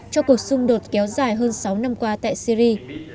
cho cuộc xung đột kéo dài hơn sáu năm qua tại syri